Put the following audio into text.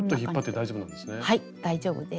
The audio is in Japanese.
大丈夫です。